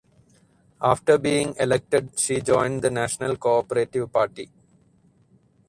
After being elected she joined the National Cooperative Party.